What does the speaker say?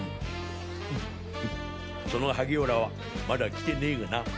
その萩原はまだ来てねぇがな。